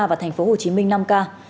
và thành phố hồ chí minh năm ca